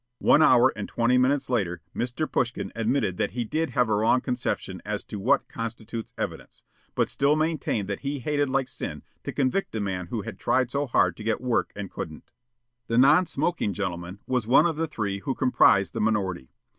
One hour and twenty minutes later Mr. Pushkin admitted that he DID have a wrong conception as to what constitutes evidence, but still maintained that he hated like sin to convict a man who had tried so hard to get work and couldn't. The non smoking gentleman was one of the three who comprised the minority.